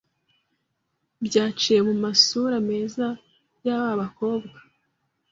byaciye mu masura meza yaba bakobwa